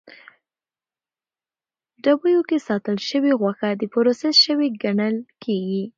ډبیو کې ساتل شوې غوښه د پروسس شوې ګڼل کېږي.